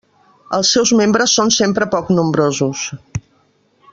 Els seus membres són sempre poc nombrosos.